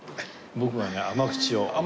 僕はね甘口を。